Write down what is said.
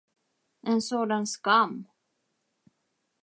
En sådan skam!